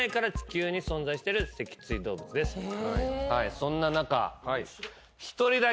そんな中。